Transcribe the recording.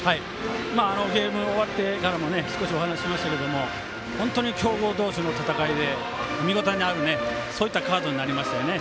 ゲーム終わってからも少しお話しましたけど本当に強豪同士の戦いで見応えのあるそういったカードになりましたよね。